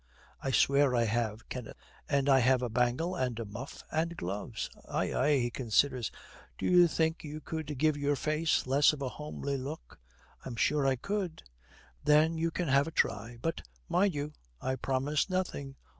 'I swear I have, Kenneth, And I have a bangle, and a muff, and gloves.' 'Ay, ay.' He considers. 'Do you think you could give your face less of a homely look?' 'I'm sure I could.' 'Then you can have a try. But, mind you, I promise nothing.